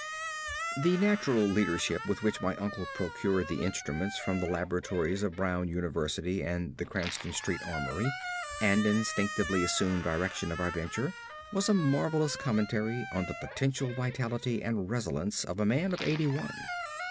The natural leadership with which my uncle procured the instruments from the laboratories of Brown University and the Cranston Street Armory, and instinctively assumed direction of our venture, was a marvelous commentary on the potential vitality and resilience of a man of eighty one.